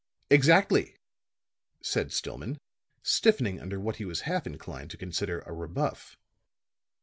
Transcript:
"Exactly," said Stillman, stiffening under what he was half inclined to consider a rebuff.